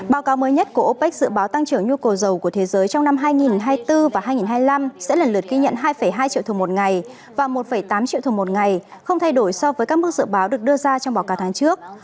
báo cáo mới nhất của opec dự báo tăng trưởng nhu cầu dầu của thế giới trong năm hai nghìn hai mươi bốn và hai nghìn hai mươi năm sẽ lần lượt ghi nhận hai hai triệu thùng một ngày và một tám triệu thùng một ngày không thay đổi so với các mức dự báo được đưa ra trong báo cáo tháng trước